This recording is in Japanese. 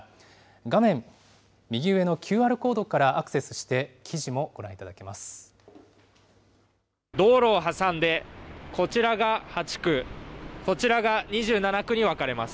画面右上のＱＲコードからアクセスして記事もご覧いただけます。